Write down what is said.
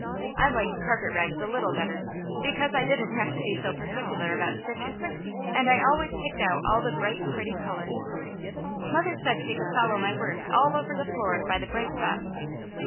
I liked carpet rags a little better, because I didn't have to be so particular about stitches, and I always picked out all the bright, pretty colours. Mother said she could follow my work all over the floor by the bright spots.